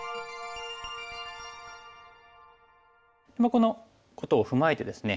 このことを踏まえてですね